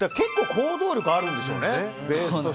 行動力があるんでしょうね